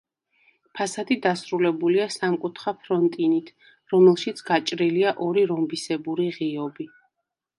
ფასადი დასრულებულია სამკუთხა ფრონტონით, რომელშიც გაჭრილია ორი რომბისებური ღიობი.